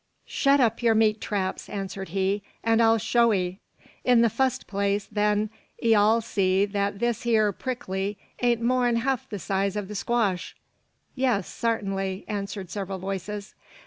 "Shet up your meat traps," answered he, "an I'll show 'ee. In the fust place, then, 'ee all see that this hyur prickly ain't more'n hef size o' the squash?" "Yes, sartainly," answered several voices.